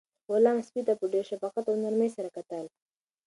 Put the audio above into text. غلام سپي ته په ډېر شفقت او نرمۍ سره کتل.